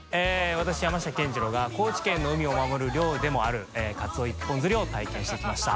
私山下健二郎が高知県の海を守る漁でもある張賈楪爐蠅体験してきました。